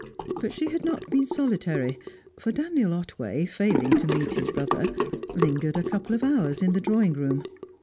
But she had not been solitary, for Daniel Otway, failing to meet his brother, lingered a couple of hours in the drawing room.